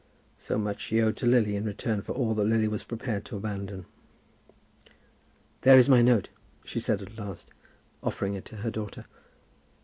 So much she owed to Lily in return for all that Lily was prepared to abandon. "There is my note," she said at last, offering it to her daughter.